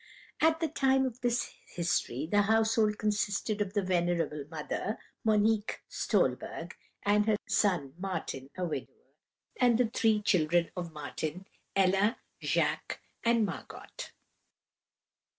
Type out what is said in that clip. "At the time of this history the household consisted of the venerable mother, Monique Stolberg, her son Martin, a widower, and the three children of Martin; Ella, Jacques, and Margot.